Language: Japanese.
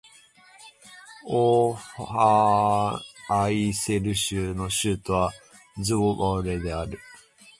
オーファーアイセル州の州都はズヴォレである